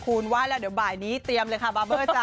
คุณไหว้แล้วเดี๋ยวบ่ายนี้เตรียมเลยค่ะบาร์เบอร์จ้